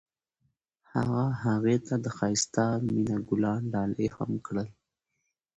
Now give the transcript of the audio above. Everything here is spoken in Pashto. هغه هغې ته د ښایسته مینه ګلان ډالۍ هم کړل.